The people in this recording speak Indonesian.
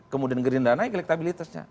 kemudian gerindra naik elektabilitasnya